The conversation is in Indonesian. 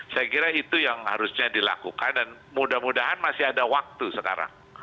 saya kira itu yang harusnya dilakukan dan mudah mudahan masih ada waktu sekarang